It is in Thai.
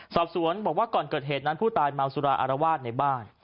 สอบสวนบอกว่าก่อนเกิดเหตุนั้นผู้ตายเมาสุราอารวาสในบ้าน